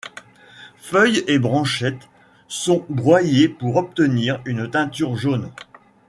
Feuilles et branchettes sont broyées pour obtenir une teinture jaune.